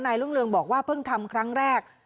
รุ่งเรืองบอกว่าเพิ่งทำครั้งแรก